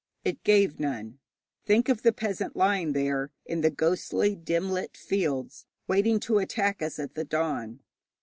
It gave none. Think of the peasant lying there in the ghostly dim lit fields waiting to attack us at the dawn.